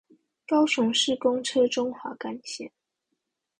高雄市公車中華幹線